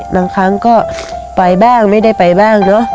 บางครั้งก็ไปบ้างไม่ได้ไปบ้างเนอะ